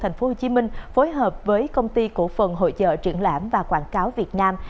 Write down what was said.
thành phố hồ chí minh phối hợp với công ty cổ phần hội trợ trưởng lãm và quảng cáo việt nam